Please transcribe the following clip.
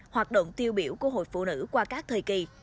hoạt động tiêu biểu của hội phụ nữ qua các thời kỳ